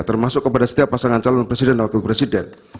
termasuk kepada setiap pasangan calon presiden dan wakil presiden